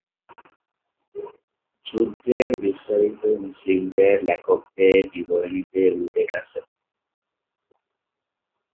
যুদ্ধের বিস্তারিত মুসলিমদের লেখকদের বিবরণীতে উল্লেখ আছে।